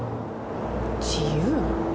自由？